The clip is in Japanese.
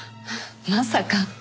まさか。